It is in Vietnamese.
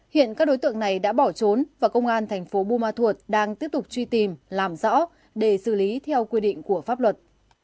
hiện các đối tượng này đã bỏ trốn và công an thành phố buôn ma thuột đang tiếp tục truy tìm làm rõ để xử lý theo quy định của pháp luật